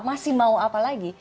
masih mau apa lagi